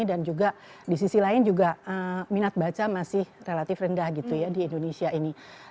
dan juga di sisi lain juga minat baca masih relatif rendah gitu ya di indonesia ini